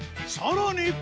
さらに。